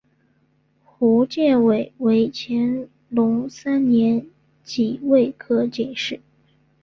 胡建伟为乾隆三年己未科进士。